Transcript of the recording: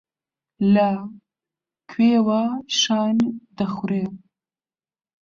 لە کوێوە شان دەخورێ.